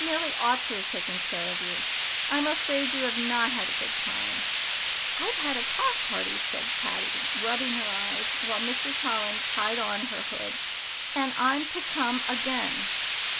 Milly ought to have taken care of you. I'm afraid you have not had a good time." "I've had a clock party," said Caddy, rubbing her eyes, while Mrs. Holland tied on her hood, "and I'm to come again."